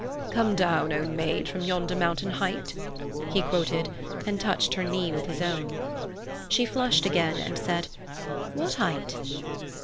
"'Come down, O maid, from yonder mountain height,'" he quoted, and touched her knee with his own. She flushed again and said: "What height?"